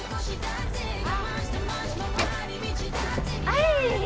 はい！